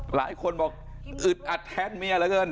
หลายคนบอกอึดอัดแทนเมียเหลือเกิน